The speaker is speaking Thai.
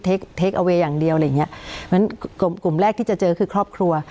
เทคเอาเวย์อย่างเดียวอะไรอย่างนี้เหมือนกลุ่มแรกที่จะเจอคือครอบครัว